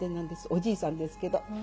おじいさんですけど。